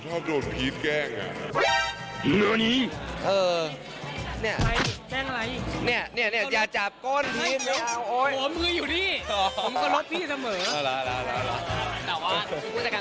พอโดนพีชแกล้งอ่ะ